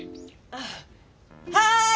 ああはい！